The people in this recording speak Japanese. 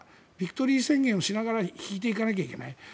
ビクトリー宣言をしながら引いていかないといけない。